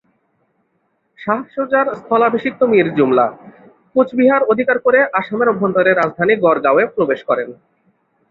শাহ সুজার স্থলাভিষিক্ত মীরজুমলা কুচবিহার অধিকার করে আসামের অভ্যন্তরে রাজধানী গড়গাও-এ প্রবেশ করেন।